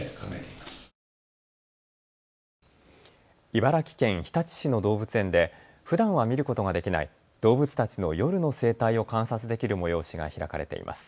茨城県日立市の動物園でふだんは見ることができない動物たちの夜の生態を観察できる催しが開かれています。